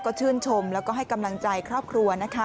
ก็ชื่นชมแล้วก็ให้กำลังใจครอบครัวนะคะ